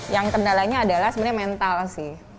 yang kendalanya adalah sebenarnya mental sih